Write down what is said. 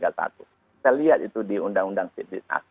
kita lihat itu di undang undang siditas